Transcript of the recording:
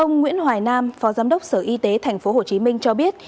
ông nguyễn hoài nam phó giám đốc sở y tế tp hcm cho biết